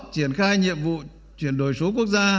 chuyển khai nhiệm vụ chuyển đổi số quốc gia